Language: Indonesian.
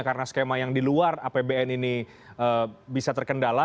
karena skema yang di luar apbn ini bisa terkendala